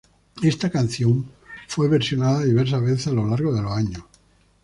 Esta canción fue versionada diversas veces a lo largo de los años.